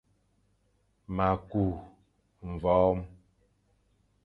Ma ku mvoom,